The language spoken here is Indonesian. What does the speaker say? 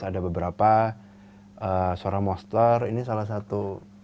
ada beberapa suara monster ini salah satu